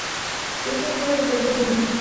Se hizo miembro del Partido Comunista.